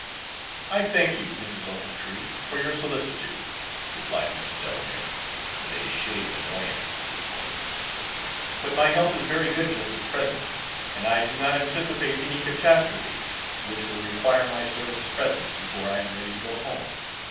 "I thank you, Mrs. Ochiltree, for your solicitude," replied Mr. Delamere, with a shade of annoyance in his voice, "but my health is very good just at present, and I do not anticipate any catastrophe which will require my servant's presence before I am ready to go home.